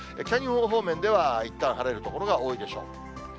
北日本方面ではいったん晴れる所が多いでしょう。